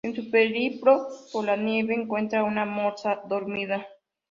En su periplo por la nieve encuentra una morsa dormida.